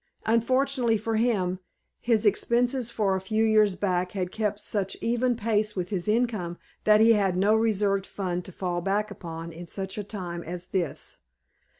Unfortunately for him, his expenses for a few years back had kept such even pace with his income, that he had no reserved fund to fall back upon in such a time as this.